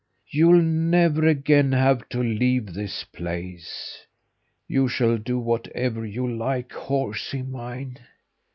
You'll never again have to leave this place. You shall do whatever you like, horsy mine!